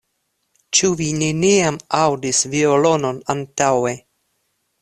Ĉu vi neniam aŭdis violonon antaŭe?